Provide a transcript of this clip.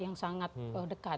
yang sangat dekat